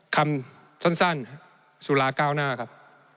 คำสั้นสุราเก้าหน้าครับ